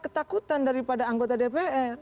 ketakutan daripada anggota dpr